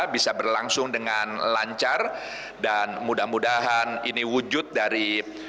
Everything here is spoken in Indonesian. bisa berlangsung dengan lancar dan mudah mudahan ini wujud dari